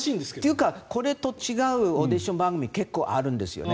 というかこれと違うオーディション番組結構あるんですよね。